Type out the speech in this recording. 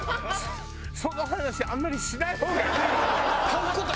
その話あんまりしない方がいいわよ。